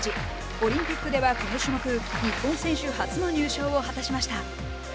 オリンピックではこの種目日本選手初の入賞を果たしました。